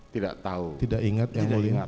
tidak tahu tidak ingat yang melihat